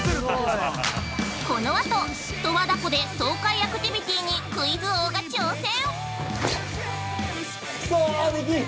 ◆このあと、十和田湖で爽快アクティビティにクイズ王が挑戦！